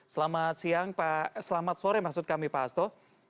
selamat siang selamat sore maksud kami pak hasto